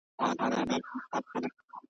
د غوایانو به ور څیري کړي نسونه» .